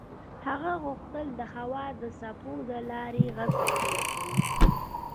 هغه غوښتل د هوا د څپو له لارې غږ ولېږدوي.